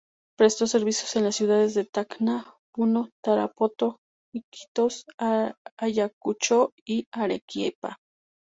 Prestó servicios en las ciudades de Tacna, Puno, Tarapoto, Iquitos, Ayacucho y Arequipa.